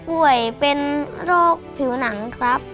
ป่วยเป็นโรคผิวหนังครับ